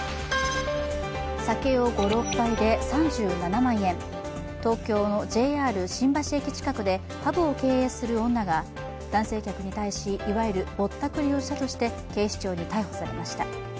酒を５６杯で３７万円、東京のＪＲ新橋駅近くで男性客に対し、いわゆるぼったくりをしたとして、警視庁に逮捕されました。